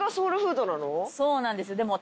そうなんですでも。